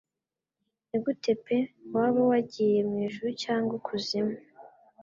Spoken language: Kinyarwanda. Nigute pe waba wagiye mwijuru cyangwa ikuzimu